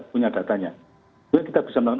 punya datanya kita bisa melakukan